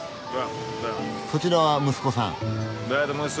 そちらは息子さん？